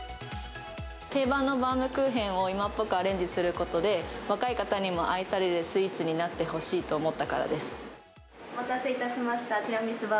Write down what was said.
定番のバウムクーヘンを今っぽくアレンジすることで、若い方にも愛されるスイーツになってほお待たせいたしました。